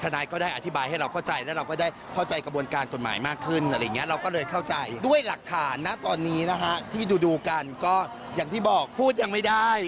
ณตอนนี้ที่ดูกันก็อย่างที่บอกพูดยังไม่ได้